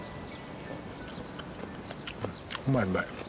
うんうまいうまい。